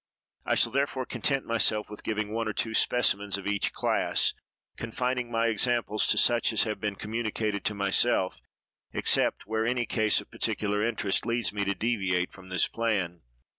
I shall therefore content myself with giving one or two specimens of each class, confining my examples to such as have been communicated to myself, except where any case of particular interest leads me to deviate from this plan.